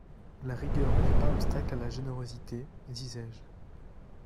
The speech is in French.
La rigueur ne fait pas obstacle à la générosité, disais-je.